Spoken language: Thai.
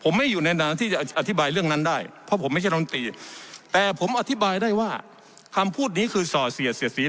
ไม่ใช่ร้อนตีแต่ผมอธิบายได้ว่าคำพูดนี้คือส่อเสียเสียสี